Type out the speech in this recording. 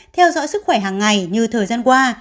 theo dõi sức khỏe hàng ngày như thời gian qua